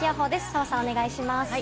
澤さん、お願いします。